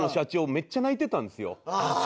めっちゃ泣いてたんですよ。